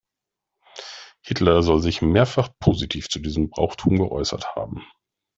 Hitler soll sich mehrfach positiv zu diesem Brauchtum geäußert haben.